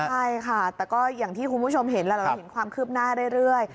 ใช่ค่ะแต่ก็อย่างที่คุณผู้ชมเห็นแล้วเราเห็นความคืบหน้าเรื่อย